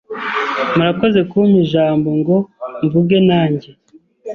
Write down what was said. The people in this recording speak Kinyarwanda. Murakoze kumpa ijambongo mvuge nanjye.